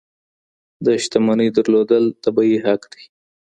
د شتمنۍ درلودل طبیعي حق دی.